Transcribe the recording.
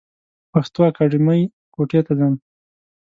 پښتو اکېډمۍ کوټي ته ځم.